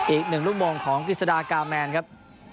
อีก๑ลูกมุ่งของกฤษฎาการ์แมนครับ